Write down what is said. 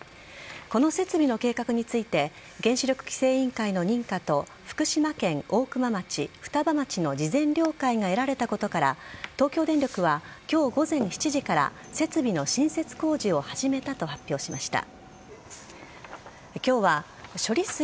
この設備の計画について原子力規制委員会の認可と福島県大熊町双葉町の事前了解が得られたことから東京電力は今日午前７時から設備の新設工事を始めたと発表しました。